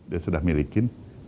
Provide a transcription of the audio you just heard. dia sudah miliki